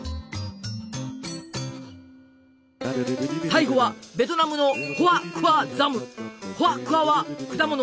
最後はベトナムの「ホア・クア」は果物。